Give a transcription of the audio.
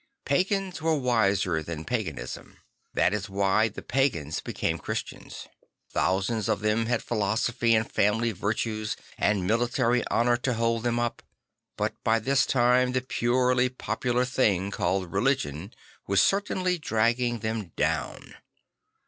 Pagans were wiser than paganism; that is \vhy the pagans became Christians. Thousands of them had philosophy and family virtues and military honour to hold them up; but by this time the purely popular thing called religion was certainly dragging them down.